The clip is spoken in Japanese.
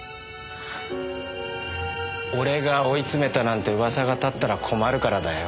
俺が追い詰めたなんて噂が立ったら困るからだよ。